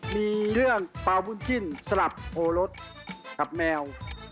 มีเรื่องปลาบุญจิ้นสลับโอรสกับแมว